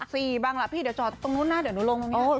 บ้างล่ะพี่เดี๋ยวจอดตรงนู้นนะเดี๋ยวหนูลงตรงนี้